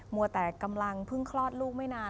วัวแต่กำลังเพิ่งคลอดลูกไม่นาน